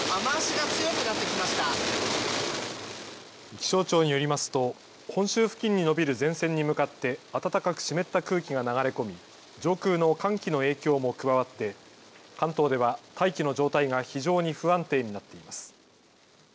気象庁によりますと本州付近に延びる前線に向かって暖かく湿った空気が流れ込み上空の寒気の影響も加わって関東では大気の状態が非常に不安定になっています。